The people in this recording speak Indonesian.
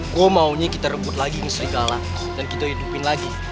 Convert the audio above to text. kok maunya kita rebut lagi srikala dan kita hidupin lagi